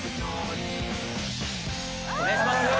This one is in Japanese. お願いします！